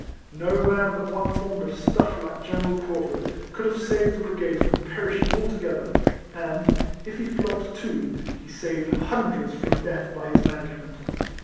No man but one formed of stuff like General Craufurd could have saved the brigade from perishing altogether; and, if he flogged two, he saved hundreds from death by his management.